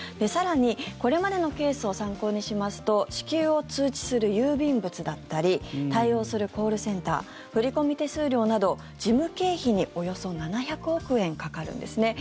更に、これまでのケースを参考にしますと支給を通知する郵便物だったり対応するコールセンター振込手数料など、事務経費におよそ７００億円かかるんです。